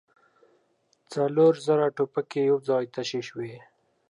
څلور زره ټوپکې يو ځای تشې شوې.